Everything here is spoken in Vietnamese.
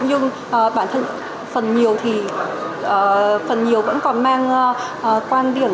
cũng như bản thân phần nhiều thì phần nhiều vẫn còn mang quan điểm